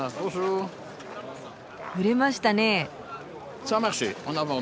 売れましたねえ。